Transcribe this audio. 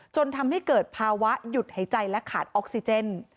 จนทำให้เกิดภาวะหยุดหายใจและขาดออกซิเจน